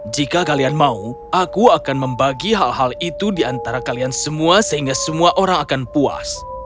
jika kalian mau aku akan membagi hal hal itu di antara kalian semua sehingga semua orang akan puas